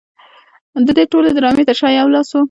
د دې ټولې ډرامې تر شا یو لاس و